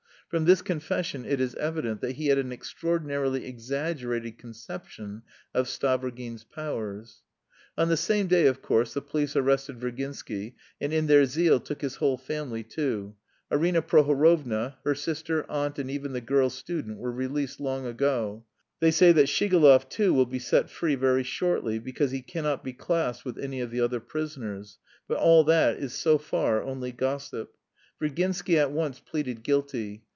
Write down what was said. From this confession it is evident that he had an extraordinarily exaggerated conception of Stavrogin's powers. On the same day, of course, the police arrested Virginsky and in their zeal took his whole family too. (Arina Prohorovna, her sister, aunt, and even the girl student were released long ago; they say that Shigalov too will be set free very shortly because he cannot be classed with any of the other prisoners. But all that is so far only gossip.) Virginsky at once pleaded guilty.